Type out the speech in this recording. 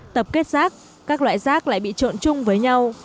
tập kết rác các loại rác lại bị trộn chung với nhau